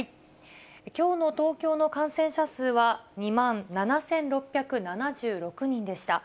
きょうの東京の感染者数は、２万７６７６人でした。